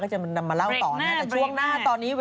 ให้อะไร